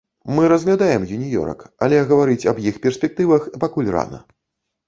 Мы разглядаем юніёрак, але гаварыць аб іх перспектывах пакуль рана.